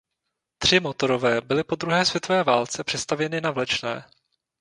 Tři motorové byly po druhé světové válce přestavěny na vlečné.